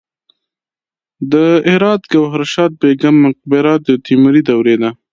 د هرات ګوهردش بیګم مقبره د تیموري دورې ده